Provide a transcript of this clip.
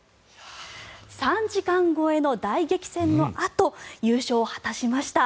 ３時間超えの大激戦のあと優勝を果たしました。